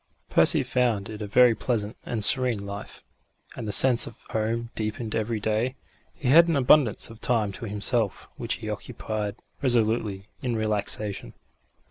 Percy found it a very pleasant and serene life, and the sense of home deepened every day. He had an abundance of time to himself, which he occupied resolutely in relaxation.